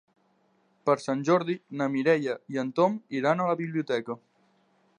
Per Sant Jordi na Mireia i en Tom iran a la biblioteca.